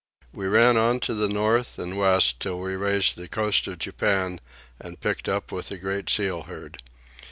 We ran on to the north and west till we raised the coast of Japan and picked up with the great seal herd.